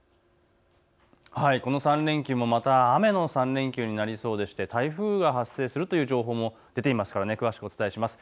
この３連休も雨の３連休になりそうでして台風が発生するという情報も出ていますから詳しくお伝えします。